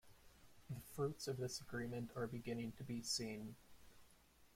The fruits of this agreement are beginning to be seen.